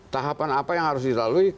tahapan apa yang harus dilalui